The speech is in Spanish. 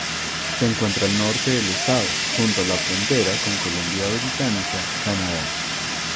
Se encuentra al norte del estado, junto a la frontera con Columbia Británica, Canadá.